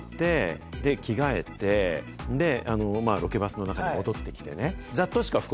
ロケバスの中に戻ってきてね。